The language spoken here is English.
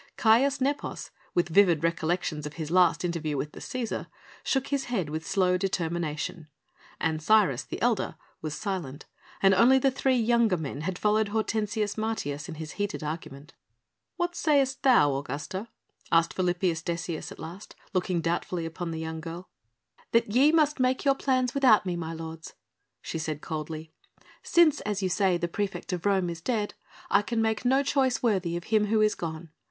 Caius Nepos, with vivid recollections of his last interview with the Cæsar, shook his head with slow determination. Ancyrus, the elder, was silent and only the three younger men had followed Hortensius Martius in his heated argument. "What sayest thou, Augusta?" asked Philippus Decius at last, looking doubtfully upon the young girl. "That ye must make your plans without me, my lords," she said coldly. "Since, as you say, the praefect of Rome is dead, I can make no choice worthy of him who is gone.